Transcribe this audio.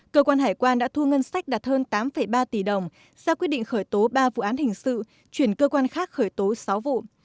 cơ quan hải quan đã thu ngân sách đạt hơn tám ba tỷ đồng ra quyết định khởi tố ba vụ án hình sự chuyển cơ quan khác khởi tố sáu vụ